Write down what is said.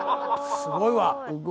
すごいわ。